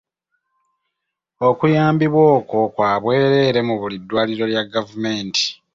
Okuyambibwa okwo kwa bwereere mu buli ddwaliro lya gavumenti.